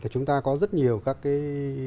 chúng ta có rất nhiều các cái